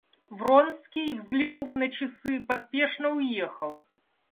Вронский, взглянув на часы, поспешно уехал.